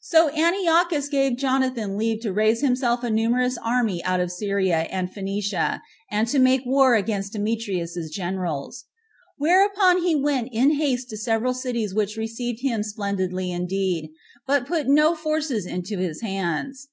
So Antiochus gave Jonathan leave to raise himself a numerous army out of Syria and Phoenicia and to make war against Demetrius's generals; whereupon he went in haste to the several cities which received him splendidly indeed, but put no forces into his hands.